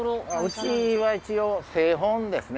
うちは一応製本ですね。